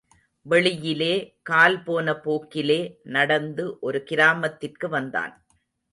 வெளியிலே கால்போன போக்கிலே நடந்து ஒரு கிராமத்திற்கு வந்தான்.